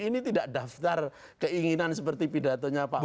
ini tidak daftar keinginan seperti pidatonya pak ahok